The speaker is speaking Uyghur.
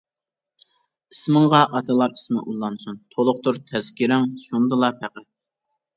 ئىسمىڭغا ئاتىلار ئىسمى ئۇلانسۇن، تولۇقتۇر تەزكىرەڭ شۇندىلا پەقەت.